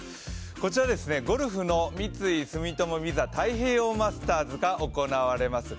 こちら、ゴルフの三井住友ＶＩＳＡ太平洋マスターズが行われます